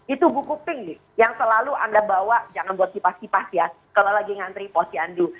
itu buku pink nih yang selalu anda bawa jangan buat kipas kipas ya kalau lagi ngantri posyandu